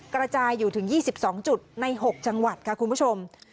กระจายอยู่ถึง๒๒จุดใน๖จังหวัดค่ะคุณผู้ชม